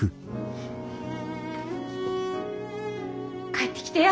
帰ってきてや。